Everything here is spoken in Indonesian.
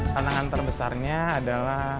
tandangan terbesarnya adalah